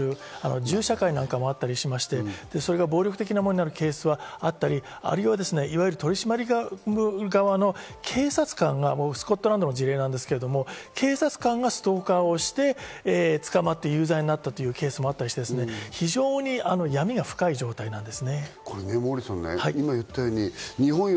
銃社会ということもあって、それが暴力的なものになるケースがあったり、あるいは、いわゆる取り締まる側の警察官が、スコットランドの事例ですけど、警察官がストーカーをして、捕まって有罪になったというケースもあったりして、非常に闇が深い状態です。